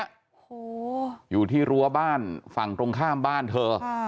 โอ้โหอยู่ที่รั้วบ้านฝั่งตรงข้ามบ้านเธอ